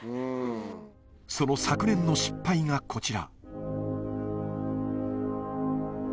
その昨年の失敗がこちら。